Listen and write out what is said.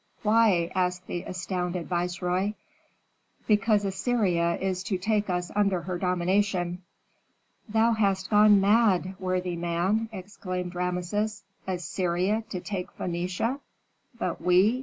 "Why?" asked the astounded viceroy. "Because Assyria is to take us under her dominion." "Thou hast gone mad, worthy man!" exclaimed Rameses. "Assyria to take Phœnicia! But we?